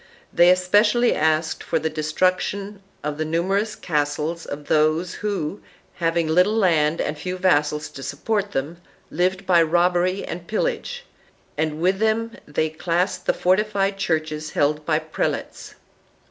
They espe cially asked for the destruction of the numerous castles of those who, having little land and few vassals to support them, lived by robbery and pillage, and with them they classed the fortified churches held by prelates.